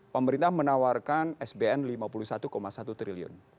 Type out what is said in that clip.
pemerintah menawarkan sbn rp lima puluh satu satu triliun